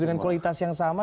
dengan kualitas yang sama